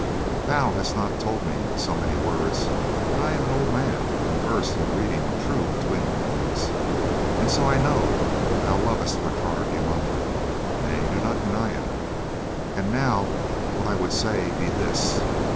Thou hast not told me in so many words, but I be an old man and versed in reading true between the lines, and so I know that thou lovest Bertrade de Montfort. Nay, do not deny it. And now, what I would say be this.